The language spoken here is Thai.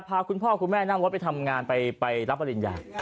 พาคุณพ่อคุณแม่นั่งรถไปทำงานไปรับปริญญา